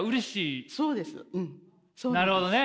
なるほどね。